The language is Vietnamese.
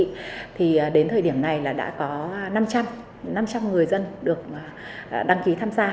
đến thời điểm này đã có năm trăm linh người dân được đăng ký tham gia